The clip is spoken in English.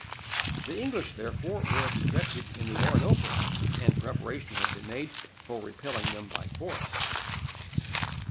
The English, therefore, were expected in the Orinoco, and preparation had been made for repelling them by force.